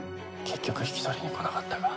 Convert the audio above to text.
結局引き取りに来なかったか。